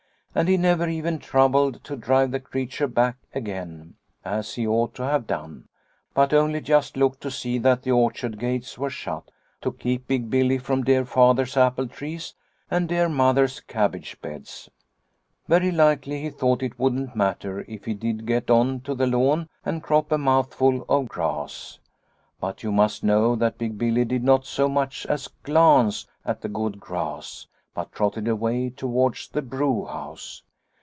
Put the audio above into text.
And he never even troubled to drive the creature back again as he ought to have done, but only just looked to see that the orchard gates were shut, to keep Big Billy from dear Father's apple trees and dear Mother's cabbage beds. Very likely he thought it wouldn't matter if he did get on to the lawn and crop a mouthful of grass. But you must know that Big Billy did not so much as glance at the good grass, but trotted away towards the brewhouse.